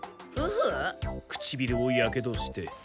くちびるをヤケドして。